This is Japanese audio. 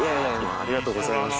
ありがとうございます。